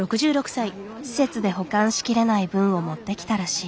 施設で保管しきれない分を持ってきたらしい。